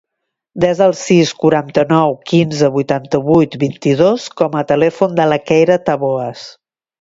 Desa el sis, quaranta-nou, quinze, vuitanta-vuit, vint-i-dos com a telèfon de la Keira Taboas.